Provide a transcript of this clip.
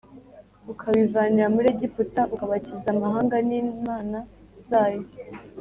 ukabīvanira muri Egiputa, ukabakiza amahanga n’imana zayo?